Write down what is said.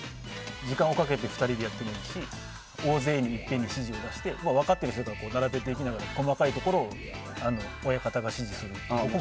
時間をかけて２人でやってもいいし大勢にいっぺんに指示を出して分かっている人が並べていきながら細かいところを親方が指示する。